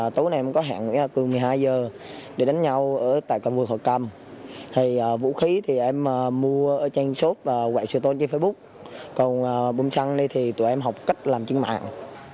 tối nay em có hẹn với hà cương một mươi hai h để đánh nhau tại cầu vượt hòa cầm vũ khí thì em mua ở trang sốt và quẹo sửa tôn trên facebook còn bom xăng thì tụi em học cách làm trên mạng